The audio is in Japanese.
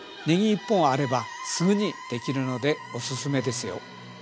ねぎ１本あればすぐにできるのでおすすめですよ！